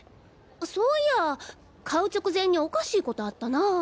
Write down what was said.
そういや買う直前におかしいことあったなぁ。